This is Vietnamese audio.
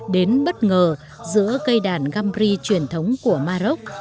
đến bất ngờ giữa cây đàn gambri truyền thống của maroc